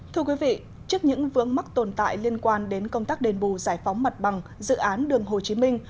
thưa quý vị trước những vướng mắc tồn tại liên quan đến công tác đền bù giải phóng mặt bằng dự án đường hồ chí minh